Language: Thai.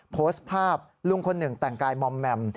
โพสต์ภาพลุงคนหนึ่งแต่งกายมอมแมม